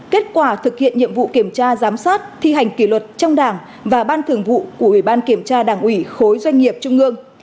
kết quả thực hiện nhiệm vụ kiểm tra giám sát thi hành kỷ luật trong đảng và ban thường vụ của ủy ban kiểm tra đảng ủy khối doanh nghiệp trung ương